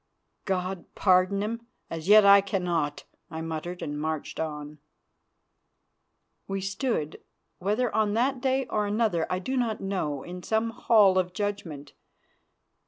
"God pardon him! As yet I cannot," I muttered, and marched on. We stood, whether on that day or another I do not know, in some hall of judgment.